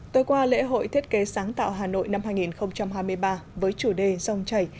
tối qua lễ hội thiết kế sáng tạo hà nội năm hai nghìn hai mươi ba với chủ đề dòng chảy